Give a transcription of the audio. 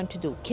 itu juga baik